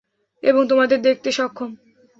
এবং তোমাদের দেখতে সক্ষম।